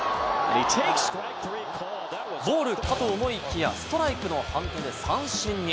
ボールかと思いきやストライクの判定で三振に。